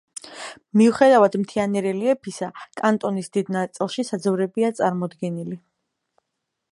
მიუხედავად მთიანი რელიეფისა, კანტონის დიდ ნაწილში საძოვრებია წარმოდგენილი.